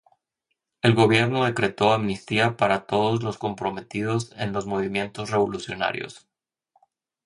El Gobierno decretó amnistía para todos los comprometidos en los movimientos revolucionarios.